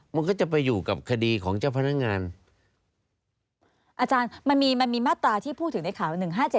มันก็จะไปอยู่กับคดีของเจ้าพนักงานอาจารย์มันมีมันมีมาตราที่พูดถึงในข่าว๑๕๗